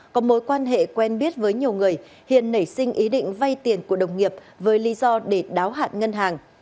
có mối quan hệ quen biết với nhiều người hiền nảy sinh ý định vay tiền của đồng nghiệp với lý do để đáo hạn ngân hàng